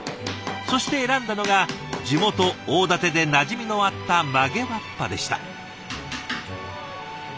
そして選んだのが地元大館でなじみのあった曲げわっぱでした。